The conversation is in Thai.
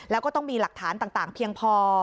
แล้วก็ต้องมีหลักฐานต่างเพียงพอ